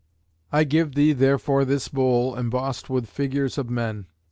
I give thee, therefore, this bowl, embossed with figures of men.